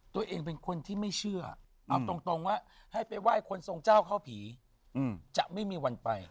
ตัวเองเป็นคนที่ไม่เชื่อเอาตรงว่าให้ไปไหว้คนทรงเจ้าเข้าผีจะไม่มีวันไป